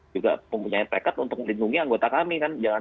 juga mempunyai tekad untuk melindungi anggota kami kan